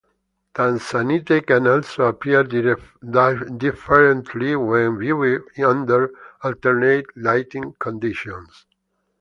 Tanzanite can also appear differently when viewed under alternate lighting conditions.